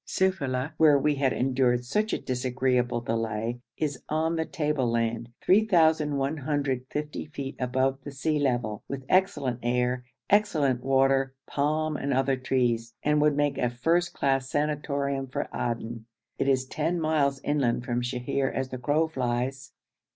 Sufeila, where we had endured such a disagreeable delay, is on the tableland, 3,150 feet above the sea level, with excellent air, excellent water, palm and other trees, and would make a first class sanatorium for Aden. It is ten miles inland from Sheher as the crow flies.